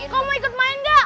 kau mau ikut main nggak